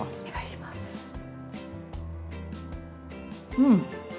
うん！